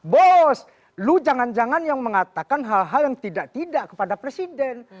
bos lu jangan jangan yang mengatakan hal hal yang tidak tidak kepada presiden